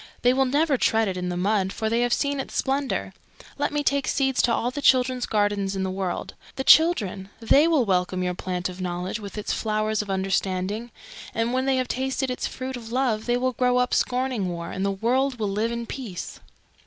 They will never tread it in the mud, for they have seen its splendour. Let me take seeds to all the children's gardens in the world. The Children! They will welcome your Plant of Knowledge with its Flowers of Understanding, and when they have tasted its Fruit of Love they will grow up scorning war, and the world will live in peace."